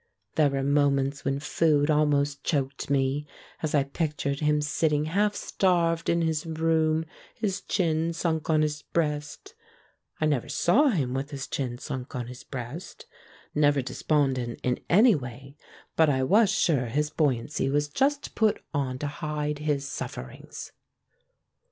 There were moments when food almost choked me, as I pic tured him sitting half starved in his room, his chin sunk on his breast. I never saw him with his chin sunk on his breast — ^never despondent in any; THE PRINCE IN THE FAIRY TALE 209 way — ^but I was sure his buoyancy was just put on to hide his sufferings.